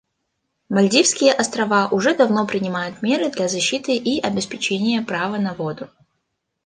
Мальдивские Острова уже давно принимают меры для защиты и обеспечения права на воду.